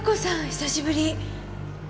久しぶり。